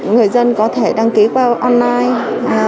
người dân có thể đăng ký qua online